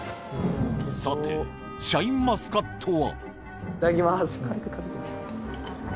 さてシャインマスカットは？